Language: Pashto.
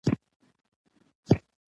هره شېبه به يې له ده د څه خوراک غوښتنه کوله.